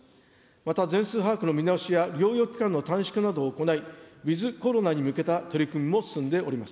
また全数把握の見直しや、療養期間の短縮などを行い、ウィズコロナに向けた取り組みも進んでおります。